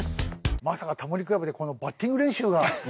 まさか『タモリ倶楽部』でこのバッティング練習が。